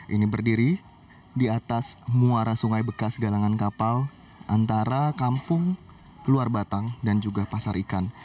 ini berdiri di atas muara sungai bekas galangan kapal antara kampung luar batang dan juga pasar ikan